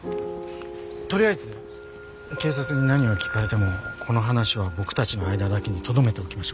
とりあえず警察に何を聞かれてもこの話は僕たちの間だけにとどめておきましょう。